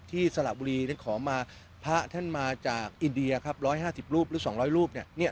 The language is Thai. สระบุรีนั้นขอมาพระท่านมาจากอินเดียครับ๑๕๐รูปหรือ๒๐๐รูปเนี่ย